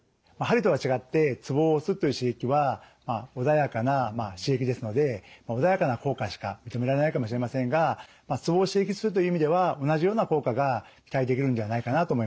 鍼とは違ってツボを押すという刺激は穏やかな刺激ですので穏やかな効果しか認められないかもしれませんがツボを刺激するという意味では同じような効果が期待できるんではないかなと思います。